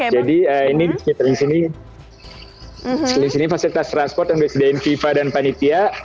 jadi ini di sekitar sini di sekitar sini fasilitas transport yang disediakan fifa dan panitia